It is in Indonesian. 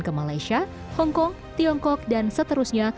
ke malaysia hongkong tiongkok dan seterusnya